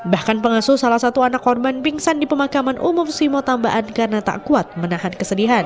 bahkan pengasuh salah satu anak korban pingsan di pemakaman umum simo tambahan karena tak kuat menahan kesedihan